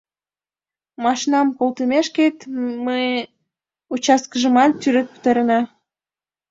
— Машинам колтымешкет, ме участкыжымат тӱред пытарена.